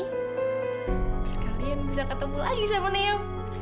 abis kalian bisa ketemu lagi sama neo